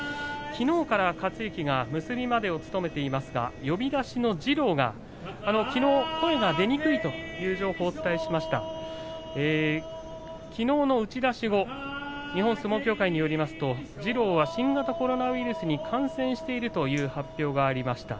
きのうから克之が結びまで務めてていますが、呼出しの次郎がきのう声が出にくいということをお伝えしましたがきのうの打ち出し後日本相撲協会によりますと次郎は新型コロナウイルスに感染しているという発表がありました。